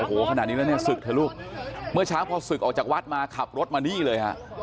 โอ้โหขนาดนี้แล้วเนี่ยศึกเถอะลูกเมื่อเช้าพอศึกออกจากวัดมาขับรถมานี่เลยฮะ